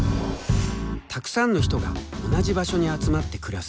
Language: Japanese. たくさんの人が同じ場所に集まって暮らす。